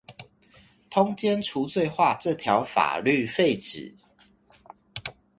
通姦除罪化這條法律廢止